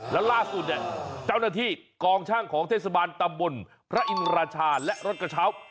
แล้วล่าสุดเนี่ยเจ้าหน้าที่กองช่างของเทศบาลตำบลพระอินราชาและรถกระเช้า